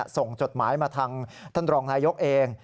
จดหมายมาทางท่านรองนายกเอง